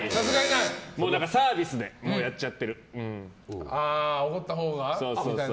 サービスでやっちゃっているみたいな。